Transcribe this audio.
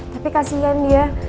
tapi kasian dia